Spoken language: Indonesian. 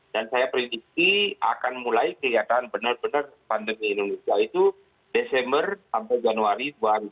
dan saya prediksi akan mulai kelihatan benar benar pandemi indonesia itu desember sampai januari dua ribu dua puluh satu